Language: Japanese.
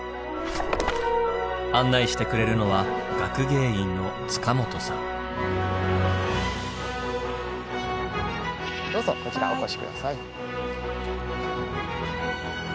案内してくれるのはどうぞこちらお越し下さい。